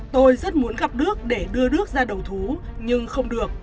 tôi rất muốn gặp đức để đưa đức ra đầu thú nhưng không được